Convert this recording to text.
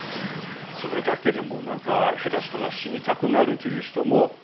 それだけでもうなんか下手したら死にたくなるという人もいるんですね。